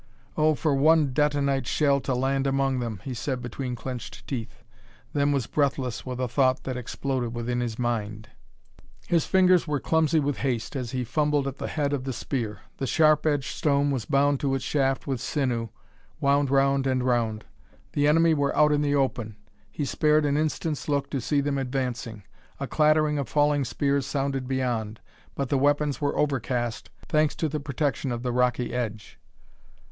"Oh, for one detonite shell to land among them!" he said between clenched teeth then was breathless with a thought that exploded within his mind. His fingers were clumsy with haste as he fumbled at the head of the spear. The sharp edged stone was bound to its shaft with sinew, wound round and round. The enemy were out in the open; he spared an instant's look to see them advancing. A clattering of falling spears sounded beyond, but the weapons were overcast, thanks to the protection of the rocky edge.